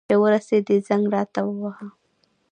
چي ورسېدې، زنګ راته ووهه.